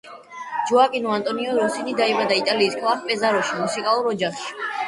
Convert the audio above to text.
ჯოაკინო ანტონიო როსინი დაიბადა იტალიის ქალაქ პეზაროში, მუსიკალურ ოჯახში.